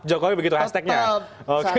jokowi begitu hashtag nya tetap oke